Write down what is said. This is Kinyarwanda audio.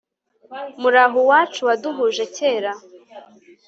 muraho uwacu waduhuje kera